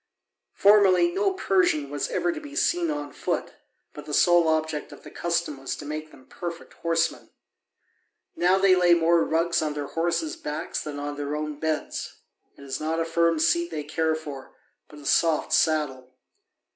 Formerly no Persian was ever to be seen on foot, but the sole object of the custom was to make them perfect horsemen. Now they lay more rugs on their horses' backs than on their own beds; it is not a firm seat they care for, but a soft saddle.